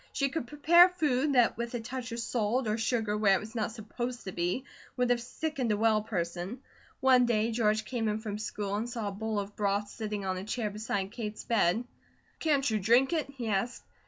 She could prepare food that with a touch of salt or sugar where it was not supposed to be, would have sickened a well person. One day George came in from school and saw a bowl of broth sitting on a chair beside Kate's bed. "Can't you drink it?" he asked.